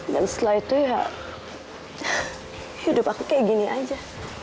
dan setelah itu ya hidup aku kayak gini aja